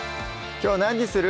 きょう何にする？